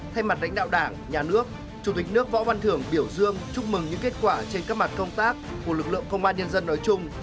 thay mặt lãnh đạo đảng nhà nước chủ tịch nước võ văn thưởng biểu dương chúc mừng những kết quả trên các mặt công tác của lực lượng công an nhân dân nói chung